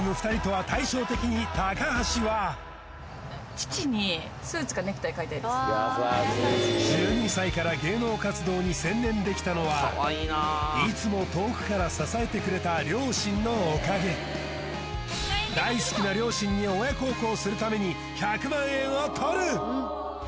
２人とは対照的に橋は１２歳から芸能活動に専念できたのはいつも遠くから支えてくれた両親のおかげ大好きな両親に親孝行するために１００万円をとる！